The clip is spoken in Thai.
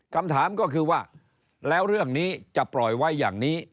คำถามก็คือว่าแล้วเรื่องนี้จะปล่อยไว้อย่างนี้